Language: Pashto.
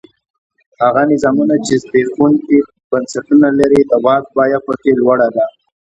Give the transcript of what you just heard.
هغه نظامونه چې زبېښونکي بنسټونه لري د واک بیه په کې لوړه ده.